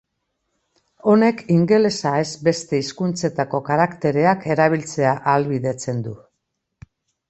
Honek ingelesa ez beste hizkuntzetako karaktereak erabiltzea ahalbidetzen du.